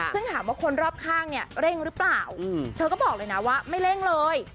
ซึ่งถามว่าคนรอบข้างเนี่ยเร่งหรือเปล่าเธอก็บอกเลยนะว่าไม่เร่งเลย